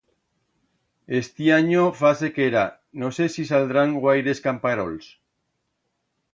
Estianyo fa sequera, no sé si saldrán guaires camparols.